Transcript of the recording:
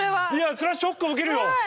それはショックを受けるよ。